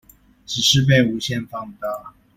只是被無限放大